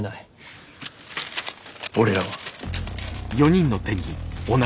俺らは。